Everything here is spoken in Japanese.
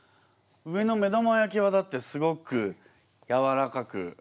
上の目玉焼きはだってすごくやわらかく。